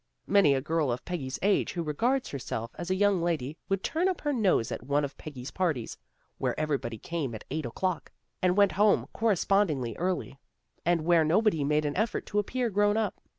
Many a girl of Peggy's age who regards herself as a young lady would turn up her nose at one of Peggy's parties, where everybody came at eight o'clock and went home correspondingly early, and where nobody made an effort to appear grown up.